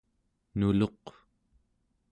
nuluq